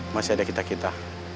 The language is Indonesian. masih ada kita kita